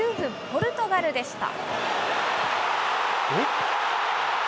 ポルトガルでした。